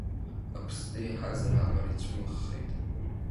Аԥсӡы иаҳазар аҟара ицәымыӷхеит.